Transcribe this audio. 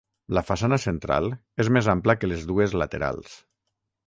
La façana central és més ampla que les dues laterals.